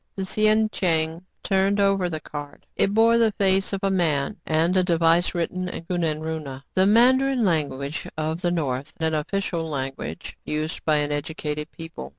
The sien cheng turned over the card. It bore the face of a man, and a device written in kunan runa, the mandarin language of the north and an official language used by educated people.